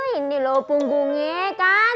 ini loh punggungnya kan